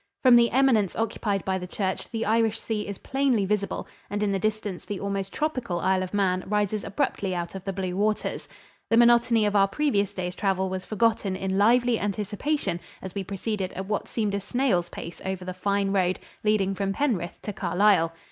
From the eminence occupied by the church the Irish Sea is plainly visible, and in the distance the almost tropical Isle of Man rises abruptly out of the blue waters. The monotony of our previous day's travel was forgotten in lively anticipation as we proceeded at what seemed a snail's pace over the fine road leading from Penrith to Carlisle.